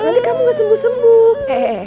nanti kamu gak sembuh sembuh